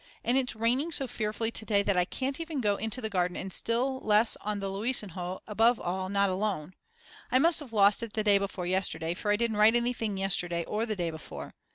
And it's raining so fearfully to day that I can't even go into the garden and still less on the Louisenhohe above all not alone. I must have lost it the day before yesterday, for I didn't write anything yesterday or the day before.